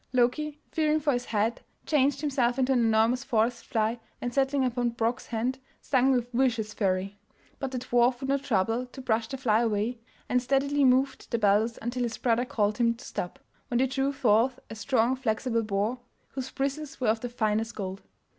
Loki, fearing for his head, changed himself into an enormous forest fly, and settling upon Brok's hand, stung with vicious fury; but the dwarf would not trouble to brush the fly away, and steadily moved the bellows until his brother called to him to stop, when they drew forth a strong flexible boar whose bristles were of the finest gold.